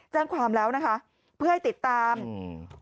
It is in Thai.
แจ้งความแล้วนะคะเพื่อให้ติดตามอืม